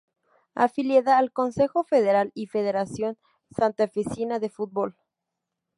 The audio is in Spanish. Afiliada al Consejo Federal y Federación Santafesina de Fútbol.